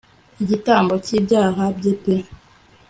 igitambo cy ibyaha bye pee